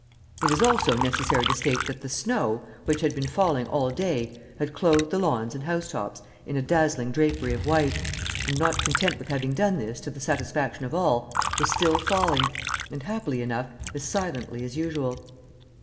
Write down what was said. It is also necessary to state that the snow, which had been falling all day, had clothed the lawns and house tops in a dazzling drapery of white, and, not content with having done this to the satisfaction of all, was still falling, and, happily enough, as silently as usual.